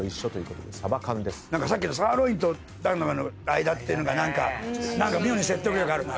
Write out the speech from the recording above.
さっきのサーロインと何とかの間っていうのが何か妙に説得力あるな。